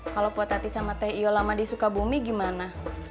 kalau potati sama tehio lama disuka bumi gimana